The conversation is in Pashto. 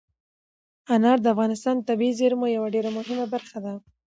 انار د افغانستان د طبیعي زیرمو یوه ډېره مهمه برخه ده.